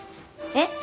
えっ？